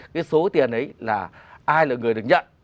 cái số tiền ấy là ai là người được nhận